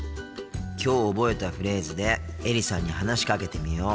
きょう覚えたフレーズでエリさんに話しかけてみよう。